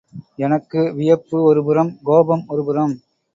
எனக்கு வியப்பு ஒருபுறம் கோபம் ஒருபுறம்.